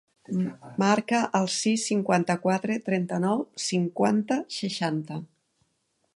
Marca el sis, cinquanta-quatre, trenta-nou, cinquanta, seixanta.